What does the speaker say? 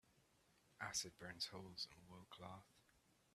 Acid burns holes in wool cloth.